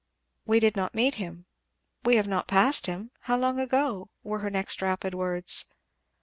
"We did not meet him we have not passed him how long ago?" were her next rapid words.